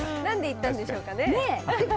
なんで行ったんでしょうかね？